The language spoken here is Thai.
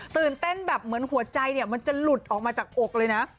เต้นแบบเหมือนหัวใจเนี่ยมันจะหลุดออกมาจากอกเลยนะ